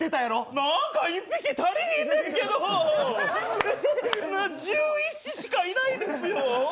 何か１匹足りないんだけど、十一支しかいないですよ。